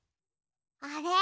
あれ？